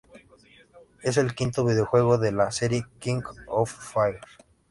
Es el quinto videojuego de la serie King of Fighters.